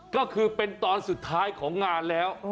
ก็คือเป็นตอนสุดท้ายของงานแล้ว